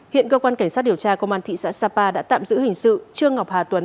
hiện cơ quan cảnh sát điều tra công an thị xã sapa đã tạm giữ hình sự trương ngọc hà tuấn